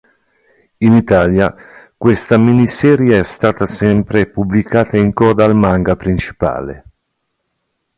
In Italia questa miniserie è stata sempre pubblicata in coda al manga principale.